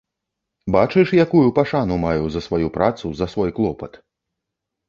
Бачыш, якую пашану маю за сваю працу, за свой клопат.